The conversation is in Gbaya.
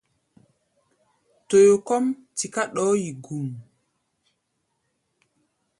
Toyo kɔ́ʼm tiká ɗɔɔ́ yi gum.